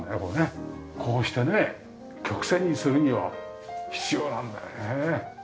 こうしてね曲線にするには必要なんだよね。